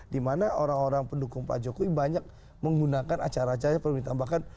dimana orang orang pendukung pak jokowi banyak menggunakan acara acara yang perlu ditambahkan